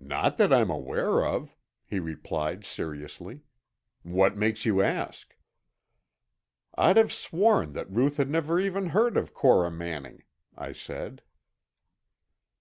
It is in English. "Not that I'm aware of," he replied seriously. "What makes you ask?" "I'd have sworn that Ruth had never even heard of Cora Manning," I said.